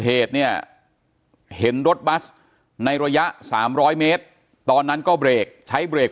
เหตุเนี่ยเห็นรถบัสในระยะ๓๐๐เมตรตอนนั้นก็เบรกใช้เบรก